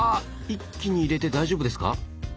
一気に入れて大丈夫ですか？